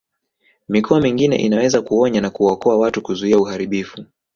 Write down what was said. Mikoa mingine inaweza kuonya na kuwaokoa watu kuzuia uharibifu